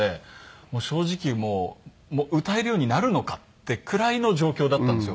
正直歌えるようになるのかっていうくらいの状況だったんですよ